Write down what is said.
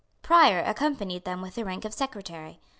Prior accompanied them with the rank of Secretary.